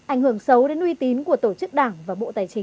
ảnh hưởng xấu đến uy tín của tổ chức đảng và bộ tài chính